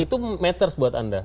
itu matters buat anda